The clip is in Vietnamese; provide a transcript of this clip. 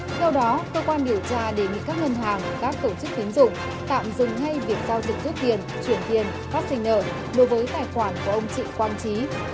theo đó cơ quan điều tra để bị các ngân hàng các tổ chức tiến dụng tạm dừng ngay việc giao dịch